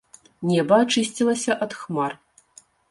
Неба ачысцілася ад хмар.